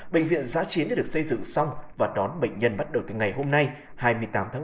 bệnh viện giá chiến đã được xây dựng xong và đón bệnh nhân bắt đầu từ ngày hôm nay hai mươi tám tháng bảy